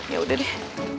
ya udah deh